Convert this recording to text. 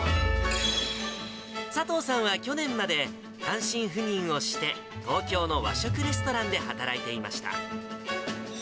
佐藤さんは去年まで、単身赴任をして、東京の和食レストランで働いていました。